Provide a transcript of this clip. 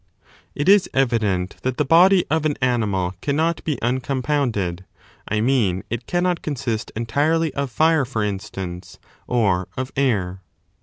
It is evident that the body of an animal cannot be uncom A mixture pounded; I mean, it cannot consist entirely of fire, for of Several instance, or of air.